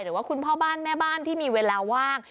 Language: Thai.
หรือว่าคุณพ่อบ้านแม่บ้านที่มีเวลาว่าง